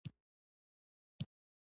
یو عسکر راغی تعظیم یې وکړ.